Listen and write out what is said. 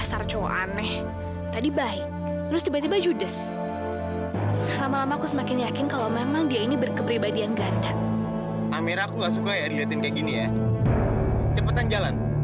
sampai jumpa di video selanjutnya